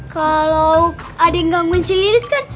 kalau ada yang gangguin si lilis kan